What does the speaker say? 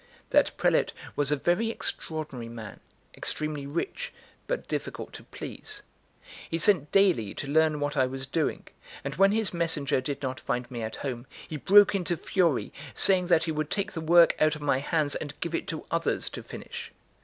That prelate was a very extraordinary man, extremely rich, but difficult to please. He sent daily to learn what I was doing; and when his messenger did not find me at home, he broke into fury, saying that he would take the work out of my hands and give it to others to finish.